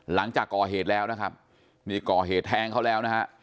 หลังจากก่อเหตุแล้วนะครับนี่ก่อเหตุแทงเขาแล้วนะฮะ